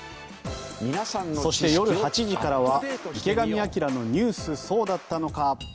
そして、夜８時からは「池上彰のニュースそうだったのか！！」。